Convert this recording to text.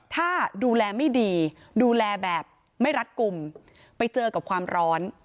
ถ้าดูแลไม่ดีดูแลแบบไม่รัดกลุ่มไปเจอกับความร้อน